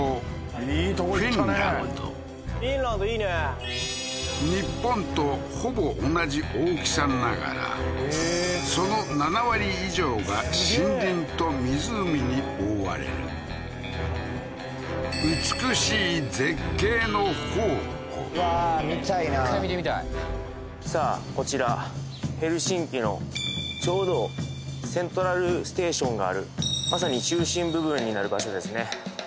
フィンランドいいね日本とほぼ同じ大きさながらその７割以上が森林と湖に覆われる美しいうわー見たいな一回見てみたいさあこちらヘルシンキのちょうどＣｅｎｔｒａｌＳｔａｔｉｏｎがあるまさに中心部分になる場所ですね